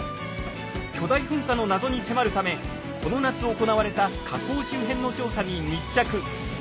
巨大噴火の謎に迫るためこの夏行われた火口周辺の調査に密着。